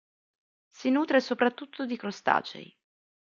Si nutre soprattutto di crostacei.